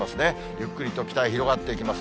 ゆっくりと北へ広がっていきます。